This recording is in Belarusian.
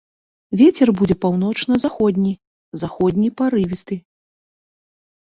Вецер будзе паўночна-заходні, заходні парывісты.